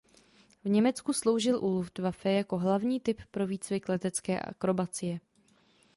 V Německu sloužil u Luftwaffe jako hlavní typ pro výcvik letecké akrobacie.